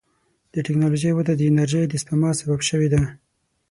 د ټکنالوجۍ وده د انرژۍ د سپما سبب شوې ده.